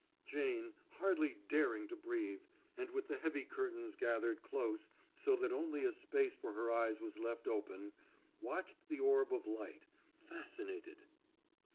Jane, hardly daring to breathe, and with the heavy curtains gathered close so that only a space for her eyes was left open, watched the orb of light, fascinated.